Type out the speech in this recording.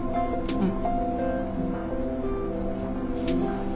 うん。